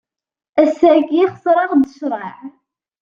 Ass-agi xeṣreɣ-d ccreɛ.